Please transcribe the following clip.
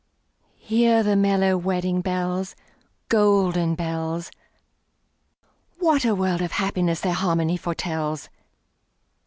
Hear the mellow wedding bells, Golden bells! What a world of happiness their harmony foretells!